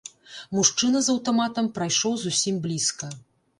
Мужчына з аўтаматам прайшоў зусім блізка.